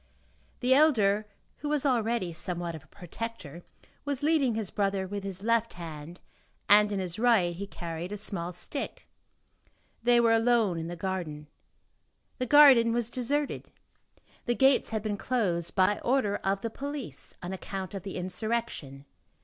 The elder, who was already somewhat of a protector, was leading his brother with his left hand and in his right he carried a small stick. They were alone in the garden. The garden was deserted, the gates had been closed by order of the police, on account of the insurrection.